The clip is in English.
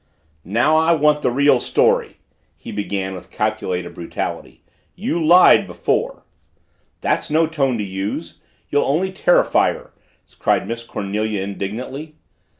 "Now I want the real story!" he began with calculated brutality. "You lied before!" "That's no tone to use! You'll only terrify her," cried Miss Cornelia indignantly.